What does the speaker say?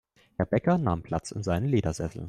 Herr Bäcker nahm Platz in seinem Ledersessel.